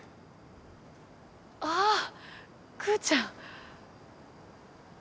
ああクーちゃん。